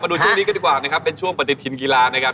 ดูช่วงนี้ก็ดีกว่านะครับเป็นช่วงปฏิทินกีฬานะครับ